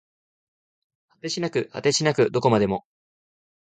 果てしなく果てしなくどこまでも